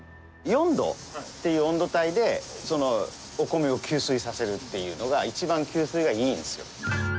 ４度っていう温度帯で、お米を吸水させるというのが、一番吸水がいいんですよ。